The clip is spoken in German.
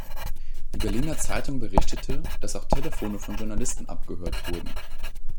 Die Berliner Zeitung berichtete, dass auch Telefone von Journalisten abgehört wurden.